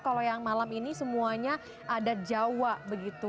kalau yang malam ini semuanya ada jawa begitu